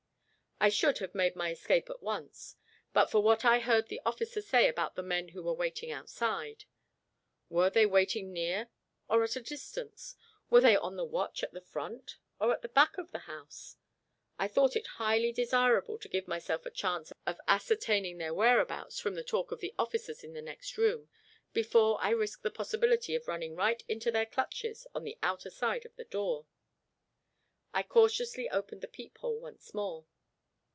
I should have made my escape at once; but for what I heard the officer say about the men who were waiting outside. Were they waiting near or at a distance? Were they on the watch at the front or the back of the house? I thought it highly desirable to give myself a chance of ascertaining their whereabouts from the talk of the officers in the next room, before I risked the possibility of running right into their clutches on the outer side of the door. I cautiously opened the peephole once more.